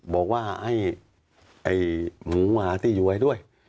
บอกว่าให้หมูหมาที่อยู่ไว้ด้วย